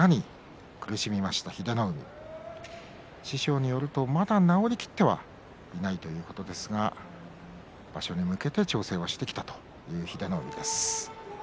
師匠によると、けがはまだ治りきっていないということですが場所に向けて調整をしてきたという英乃海です。